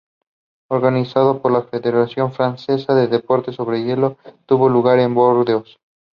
She is married to popular actor and director Channa Perera.